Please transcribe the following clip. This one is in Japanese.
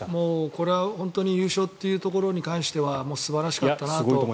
これは本当に優勝というところに関しては素晴らしかったなと。